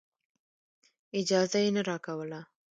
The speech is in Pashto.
اجازه یې نه راکوله.